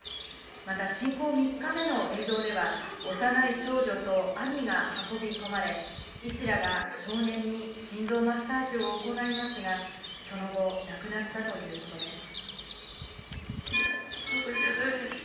また、侵攻３日目の映像では、幼い少女と兄が運び込まれ、医師らが少年に心臓マッサージを行いますが、その後、亡くなったということです。